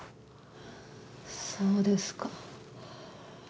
そうですか。